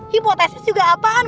hipotesis juga apaan